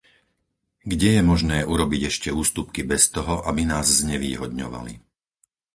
Kde je možné urobiť ešte ústupky bez toho, aby nás znevýhodňovali?